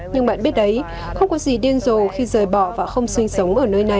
nhưng bạn biết đấy không có gì điên rồ khi rời bỏ và không sinh sống